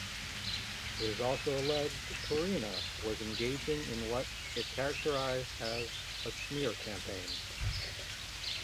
It also alleged Purina was engaging in what it characterized as a "smear campaign".